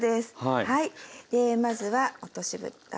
まずは落としぶた。